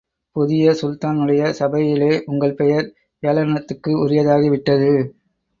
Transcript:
புதிய சுல்தானுடைய சபையிலே உங்கள் பெயர் ஏளனத்துக்கு உரியதாகிவிட்டது.